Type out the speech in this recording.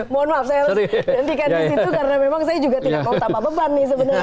mohon maaf saya harus gantikan di situ karena memang saya juga tidak mau tambah beban nih sebenarnya